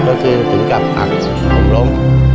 ก็คือถึงกับอักษณะผมล้ม